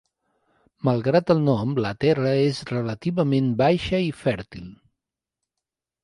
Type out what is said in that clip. Malgrat el nom, la terra és relativament baixa i fèrtil.